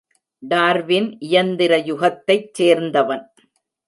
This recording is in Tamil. டார்வின் இயந்திர யுகத்தைச் சேர்ந்தவன்.